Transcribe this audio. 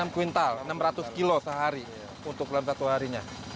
enam kuintal enam ratus kilo sehari untuk dalam satu harinya